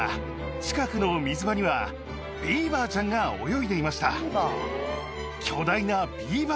近くの水場にはビーバーちゃんが泳いでいました。